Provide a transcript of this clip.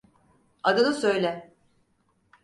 Adını söyle!